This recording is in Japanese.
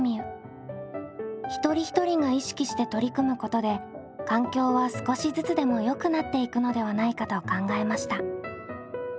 一人一人が意識して取り組むことで環境は少しずつでもよくなっていくのではないかと考えました。